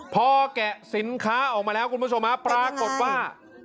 พอแกะสินค้าออกมาแล้วคุณผู้ชมฮะปรากฏว่า